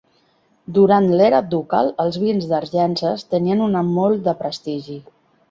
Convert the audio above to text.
Durant l'era ducal els vins d'Argences tenien una molt de prestigi.